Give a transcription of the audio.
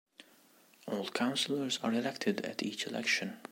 All councillors are elected at each election.